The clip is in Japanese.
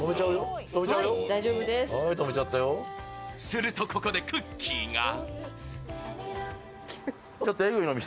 すると、ここでクッキーが。